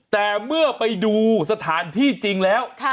แต่เมื่อไปดูสถานที่จริงแล้ว